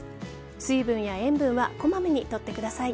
水分や塩分はこまめに取ってください。